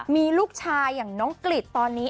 มีลูกชายอย่างน้องกริจตอนนี้